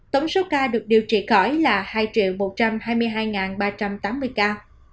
tổng số ca được điều trị khỏi là hai một trăm hai mươi hai ba trăm tám mươi ca